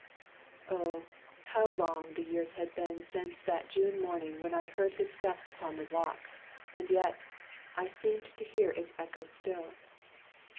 Oh! how long The years had been since that June morning when I heard his step upon the walk, and yet I seemed to hear its echo still.